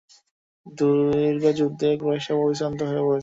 দীর্ঘ যুদ্ধে কুরাইশরা পরিশ্রান্ত হয়ে পড়েছিল।